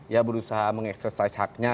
ya berusaha mengeksersaiz haknya